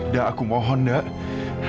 dah aku mohon dah